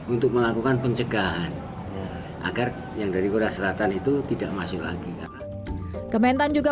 untuk melakukan pencegahan agar yang dari korea selatan itu tidak masuk lagi karena kementan juga